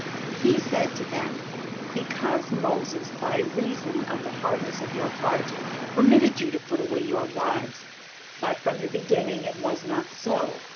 He said to them: Because Moses, by reason of the hardness of your heart, permitted you to put away your wives; but from the beginning it was not so.